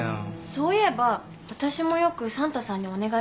そういえば私もよくサンタさんにお願いしたな。